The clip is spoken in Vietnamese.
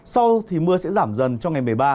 sau thì mưa sẽ giảm dần trong ngày một mươi ba